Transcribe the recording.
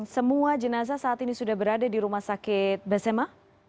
semua jenazah saat ini sudah berada di rumah sakit besema